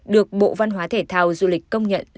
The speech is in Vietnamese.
được bộ văn hóa thể thao du lịch công nhận